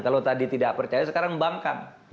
kalau tadi tidak percaya sekarang membangkang